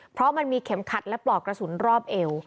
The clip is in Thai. เพราะมันมีเข็มขัดและปลอกกระสุนรอบเอว